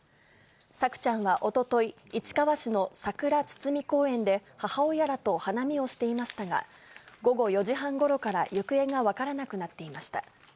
朔ちゃんはおととい、市川市のさくら堤公園で母親らと花見をしていましたが、午後４時半ごろから行方が分からなくなっていました。